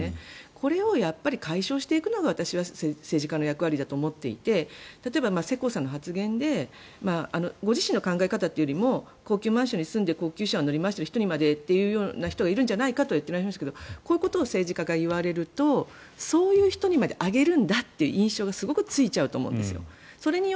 これを解消していくのが政治家の役割だと思っていて例えば世耕さんの発言でご自身の考え方というよりも高級マンションに住んで高級車を乗り回している人にまでと思っている人がいるんじゃないかということを言っていますがこういうことを政治家が言われるとそういう人にまであげるんだという印象がすごいついちゃうと思うんです。